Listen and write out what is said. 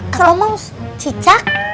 kalau mams cicak